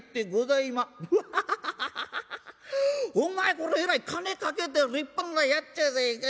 これえらい金かけて立派なやっちゃないかい。